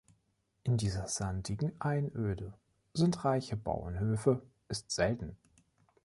In dieser sandigen Einöde sind reiche Bauernhöfe ist selten.